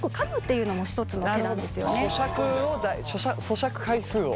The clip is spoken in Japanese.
そしゃく回数を。